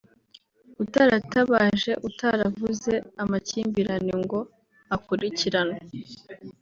utaratabaje utaravuze amakimbirane ngo akurikiranwe